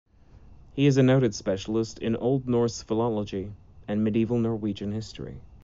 He is a noted specialist in Old Norse philology and medieval Norwegian history.